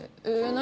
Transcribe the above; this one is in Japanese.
何？